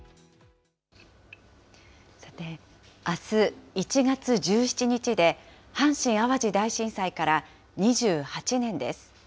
さて、あす１月１７日で阪神・淡路大震災から２８年です。